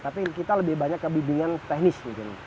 tapi kita lebih banyak kebimbingan teknis mungkin